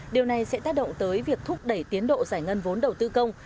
điều này sẽ tác động tới việc thúc đẩy tiến độ giải ngân vốn đầu tư công